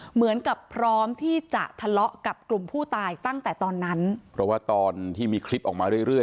เหมือนกับพร้อมที่จะทะเลาะกับกลุ่มผู้ตายตั้งแต่ตอนนั้นเพราะว่าตอนที่มีคลิปออกมาเรื่อย